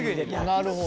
なるほど！